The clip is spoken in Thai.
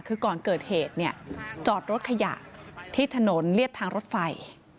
คือก่อนเกิดเหตุเนี่ยจอดรถขยะที่ถนนเรียบทางรถไฟ